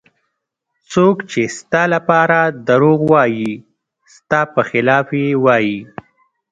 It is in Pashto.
څوک چې ستا لپاره دروغ وایي ستا په خلاف یې وایي.